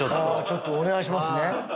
ちょっとお願いしますね。